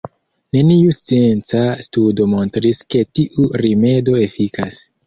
Neniu scienca studo montris ke tiu rimedo efikas.